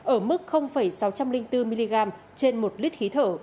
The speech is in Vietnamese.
ở mức sáu trăm linh bốn mg trên một lít khí thở